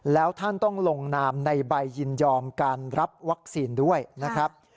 แล้วท่านต้องลงนามในใบยินยอมการรับวัคซีนด้วยนะครับ